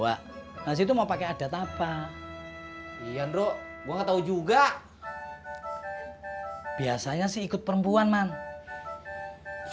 hai nasional mantsur campur campur gitu that pakai ada jawa betawi sama batak